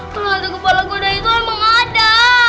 kalau hantu berkepala kuda itu emang ada